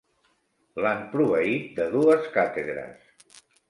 L'han proveït de dues càtedres.